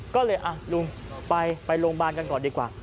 ก็เลยลุงไปโรงพยาบาลกันก่อนดีกว่า